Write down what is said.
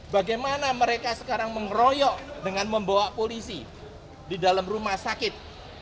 bagaimana mereka sekarang mengeroyok dengan membawa polisi di dalam rumah sakit